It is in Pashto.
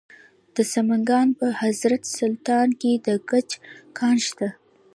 د سمنګان په حضرت سلطان کې د ګچ کان شته.